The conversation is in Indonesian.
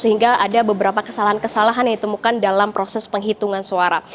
sehingga ada beberapa kesalahan kesalahan yang ditemukan dalam proses penghitungan suara